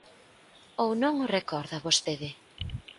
¿Ou non o recorda vostede?